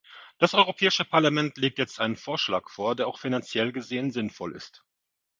Das Europäische Parlament legt jetzt einen Vorschlag vor, der auch finanziell gesehen sinnvoll ist.